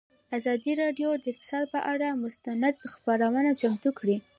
ازادي راډیو د اقتصاد پر اړه مستند خپرونه چمتو کړې.